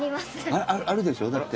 あるでしょだって。